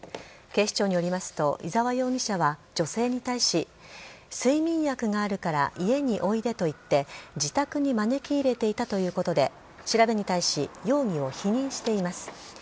警視庁によりますと、伊沢容疑者は女性に対し、睡眠薬があるから家においでと言って、自宅に招き入れていたということで、調べに対し、容疑を否認しています。